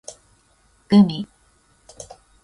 gumi